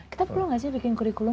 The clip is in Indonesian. kita perlu nggak sih bikin kurikulum